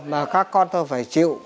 mà các con tôi phải chịu